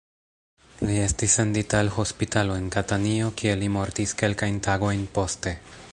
Li estis sendita al hospitalo en Katanio, kie li mortis kelkajn tagojn poste.